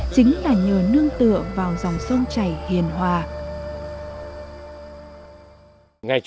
chính là nhờ nương tựa vào dòng sông chảy